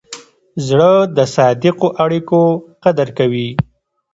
زړه د صادقو اړیکو قدر کوي.